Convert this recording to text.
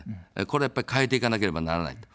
これはやっぱり変えていかなければならない。